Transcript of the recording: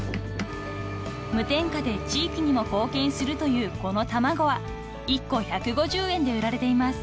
［無添加で地域にも貢献するというこの卵は１個１５０円で売られています］